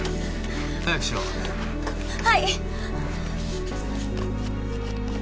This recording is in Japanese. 早くしろはい！